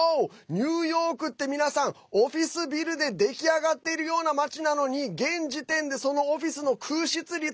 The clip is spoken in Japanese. ニューヨークって皆さんオフィスビルで出来上がっているような街なのに現時点で、そのオフィスの空室率